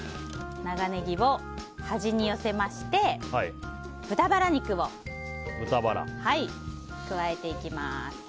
長ネギを端に寄せまして豚バラ肉を加えていきます。